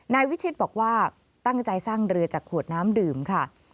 นายวิชิตบอกว่าตั้งใจสร้างเรือจากขวดน้ำดื่มค่ะ